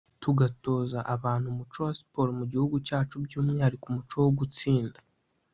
tugatoza abantu umuco wa siporo mu gihugu cyacu by’umwihariko umuco wo gutsinda